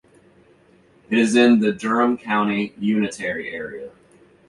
It is in the Durham County Unitary area.